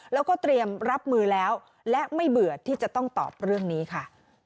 แล้วก็เตรียมรับมือแล้วและไม่เบื่อที่จะต้องตอบเรื่องนี้ค่ะ